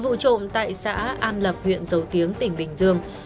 một vụ trộm tại xã an lập huyện dầu tiến tỉnh bình dương